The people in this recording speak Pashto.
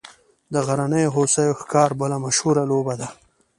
د غرنیو هوسیو ښکار بله مشهوره لوبه ده